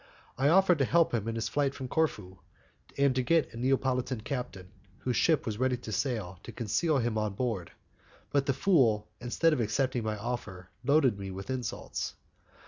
I offered to help him in his flight from Corfu, and to get a Neapolitan captain, whose ship was ready to sail, to conceal him on board; but the fool, instead of accepting my offer, loaded me with insults.